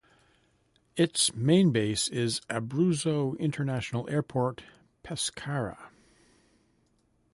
Its main base is Abruzzo International Airport, Pescara.